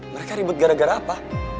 mereka ribut gara gara apa